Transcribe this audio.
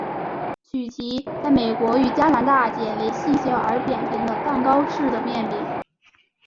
曲奇在美国与加拿大解为细小而扁平的蛋糕式的面饼。